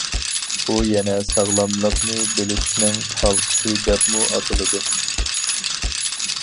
ئۇ يەنە ساغلاملىقنى بىلىشنىڭ ھالقىسى دەپمۇ ئاتىلىدۇ.